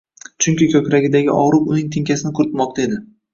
Chunki koʻkragidagi ogʻriq uning tinkasini quritmoqda edi.